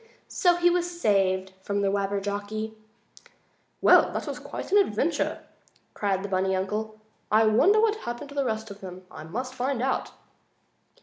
So he was saved from the Wabberjocky. "Well! That was an adventure!" cried the bunny uncle. "I wonder what happened to the rest of them? I must find out."